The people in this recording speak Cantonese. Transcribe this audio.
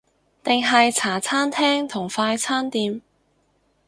定係茶餐廳同快餐店？